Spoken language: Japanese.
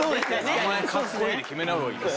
「名前かっこいい」で決めない方がいい。